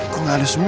kok gak ada semua ya